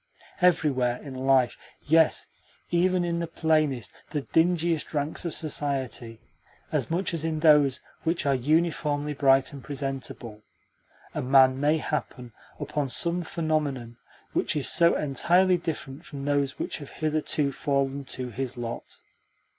Everywhere in life yes, even in the plainest, the dingiest ranks of society, as much as in those which are uniformly bright and presentable a man may happen upon some phenomenon which is so entirely different from those which have hitherto fallen to his lot.